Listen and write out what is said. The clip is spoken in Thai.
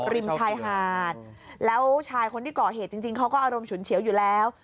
ริมชายหาดแล้วชายคนที่ก่อเหตุจริงเขาก็อารมณ์ฉุนเฉียวอยู่แล้ว